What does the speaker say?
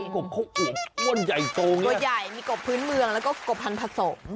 ตัวใหญ่มีกบพื้นเมืองแล้วก็กบพันธุ์ผสม